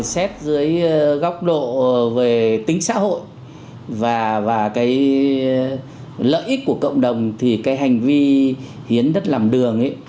xét dưới góc độ về tính xã hội và lợi ích của cộng đồng thì hành vi hiến đất làm đường